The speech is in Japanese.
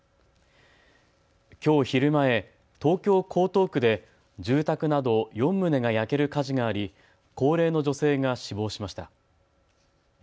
きょう昼前、東京江東区で住宅など４棟が焼ける火事があり高齢の女性が死亡しました。